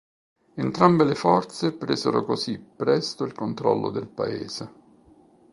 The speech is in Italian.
Entrambe le forze presero così presto il controllo del paese.